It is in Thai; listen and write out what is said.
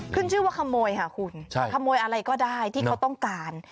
ขึ้นชื่อว่าขโมยค่ะคุณขโมยอะไรก็ได้ที่เขาต้องการ